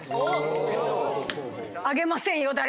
あげませんよ